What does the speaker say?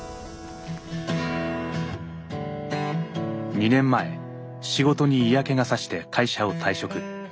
２年前仕事に嫌気が差して会社を退職。